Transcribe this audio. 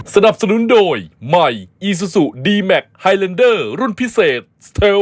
สนับสนุนโดยใหม่อีซูซูดีแมคไฮเลนเดอร์รุ่นพิเศษสเทล